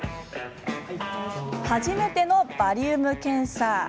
初めてのバリウム検査。